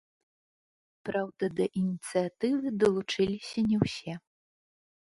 Праўда, да ініцыятывы далучыліся не ўсе.